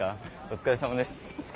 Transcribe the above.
お疲れさんどす。